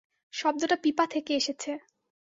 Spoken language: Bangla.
শব্দটা পিপা থেকে এসেছে।